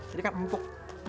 jadi kan empuk